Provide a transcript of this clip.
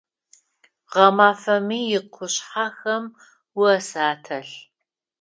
Гъэмафэми икъушъхьэхэм ос ателъ.